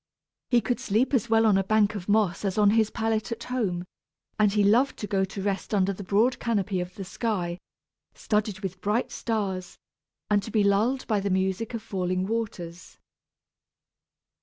He could sleep as well on a bank of moss as on his pallet at home, and he loved to go to rest under the broad canopy of the sky, studded with bright stars, and to be lulled by the music of falling waters.